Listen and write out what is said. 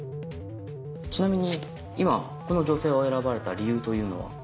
ちなみに今この女性を選ばれた理由というのは？